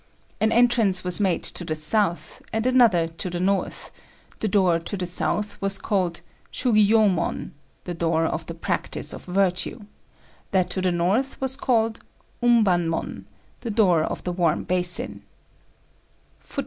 An entrance was made to the south, and another to the north: the door to the south was called Shugiyômon ("the door of the practice of virtue"); that to the north was called Umbanmon ("the door of the warm basin").